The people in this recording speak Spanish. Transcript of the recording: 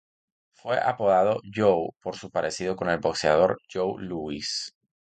Fue apodado "Joe" por su parecido con el boxeador Joe Louis.